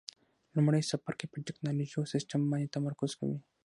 لومړی څپرکی په ټېکنالوجي او سیسټم باندې تمرکز کوي.